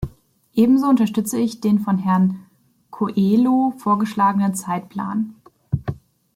Ebenso unterstütze ich den von Herrn Coelho vorgeschlagenen Zeitplan.